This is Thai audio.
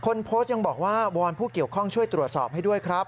คนโพสต์ยังบอกว่าวอนผู้เกี่ยวข้องช่วยตรวจสอบให้ด้วยครับ